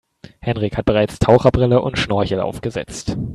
Henrik hat bereits Taucherbrille und Schnorchel aufgesetzt.